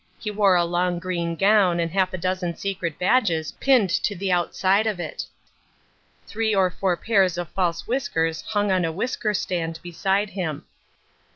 He wore a long green gown and half a dozen secret badges pinned to the outside of it. Three or four pairs of false whiskers hung on a whisker stand beside him.